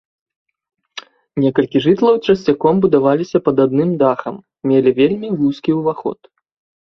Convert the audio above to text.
Некалькі жытлаў часцяком будаваліся пад адным дахам, мелі вельмі вузкі ўваход.